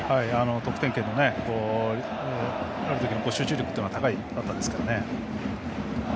得点圏にあるときの集中力は高いバッターです。